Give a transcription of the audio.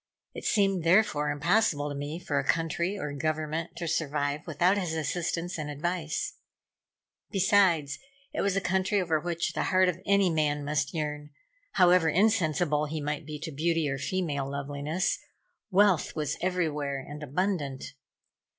It seemed, therefore, impossible to me for a country or government to survive without his assistance and advice. Besides, it was a country over which the heart of any man must yearn, however insensible he might be to beauty or female loveliness. Wealth was everywhere and abundant.